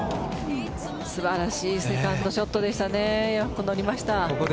素晴らしいセカンドショットでしたねよくのりました。